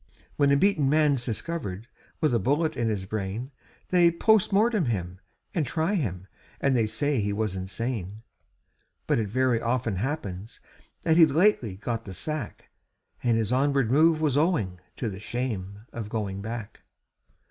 When a beaten man's discovered with a bullet in his brain, They POST MORTEM him, and try him, and they say he was insane; But it very often happens that he'd lately got the sack, And his onward move was owing to the shame of going back.